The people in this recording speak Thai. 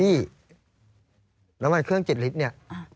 พี่น้ำมันเครื่องจิดลิตเนี่ย